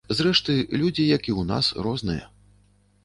Зрэшты, людзі, як і ў нас, розныя.